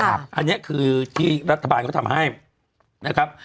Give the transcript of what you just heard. อันนี้คือที่รัฐบาลเขาทำให้นะครับ